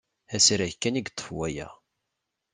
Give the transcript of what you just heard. Asrag kan i yeṭṭef waya.